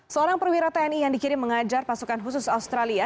seorang perwira tni yang dikirim mengajar pasukan khusus australia